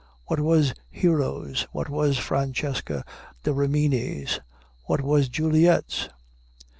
What was Hero's what was Francesca da Rimini's what was Juliet's?